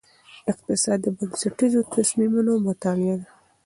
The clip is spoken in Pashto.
اقتصاد د بنسټیزو تصمیمونو مطالعه ده.